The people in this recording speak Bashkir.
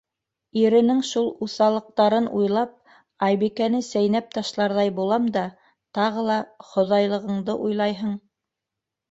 Иренең шул уҫаллыҡтарын уйлап, Айбикәне сәйнәп ташларҙай булам да, тағы ла хоҙайлығыңды уйлайһың...